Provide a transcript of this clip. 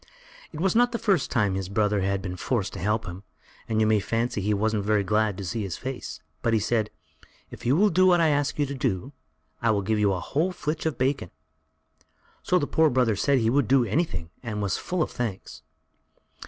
It was not the first time his brother had been forced to help him, and you may fancy he wasn't very glad to see his face, but he said: "If you will do what I ask you to do, I'll give you a whole flitch of bacon." So the poor brother said he would do anything and was full of thanks.